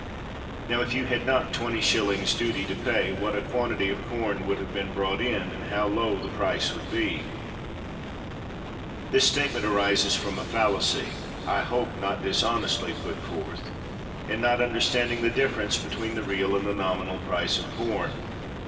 Now, if you had not 20s. duty to pay, what a quantity of corn you would have brought in, and how low the price would be !" This statement arises from a fallacy — I hope not dishonestly put forth — in not understanding the difference between the real and the nominal price of corn.